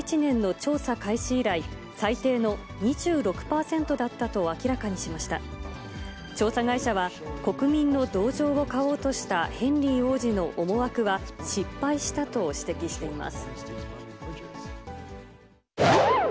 調査会社は、国民の同情を買おうとしたヘンリー王子の思惑は失敗したと指摘しています。